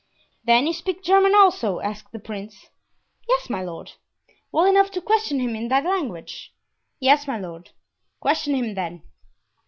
"Then you speak German, also?" asked the prince. "Yes, my lord." "Well enough to question him in that language?" "Yes, my lord." "Question him, then."